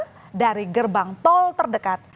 dan juga dari gerbang tol terdekat